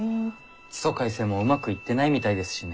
地租改正もうまくいってないみたいですしね。